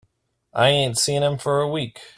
I ain't seen him for a week.